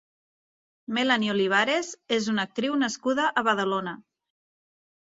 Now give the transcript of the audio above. Melani Olivares és una actriu nascuda a Badalona.